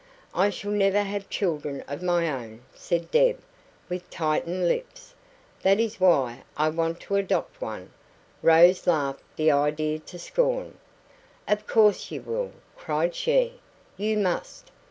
"I shall never have children of my own," said Deb, with tightened lips. "That is why I want to adopt one." Rose laughed the idea to scorn. "Of course you will!" cried she. "You must.